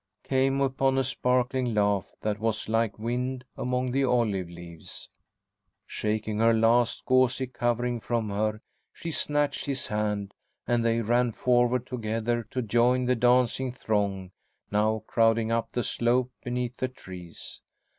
came upon a sparkling laugh that was like wind among the olive leaves. Shaking her last gauzy covering from her, she snatched his hand, and they ran forward together to join the dancing throng now crowding up the slope beneath the trees.